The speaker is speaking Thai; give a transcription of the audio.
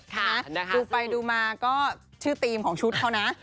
ดูไปดูมาก็ชื่อธีมของชุดเขานะ